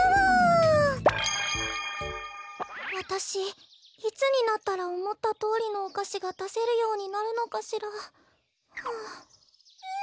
こころのこえわたしいつになったらおもったとおりのおかしがだせるようになるのかしら。